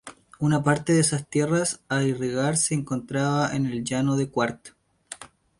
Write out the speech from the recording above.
Una parte de esas tierras a irrigar se encontraba en el Llano de Cuart.